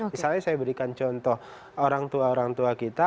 misalnya saya berikan contoh orang tua orang tua kita